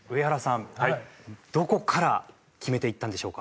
どこから決めていったんでしょうか。